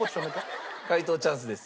解答チャンスです。